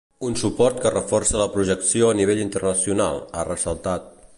“Un suport que reforça la projecció a nivell internacional”, ha ressaltat.